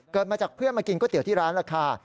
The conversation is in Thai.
มาจากเพื่อนมากินก๋วเตี๋ยที่ร้านล่ะค่ะ